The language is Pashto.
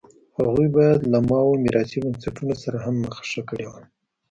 هغوی باید له ماوو میراثي بنسټونو سره هم مخه ښه کړې وای.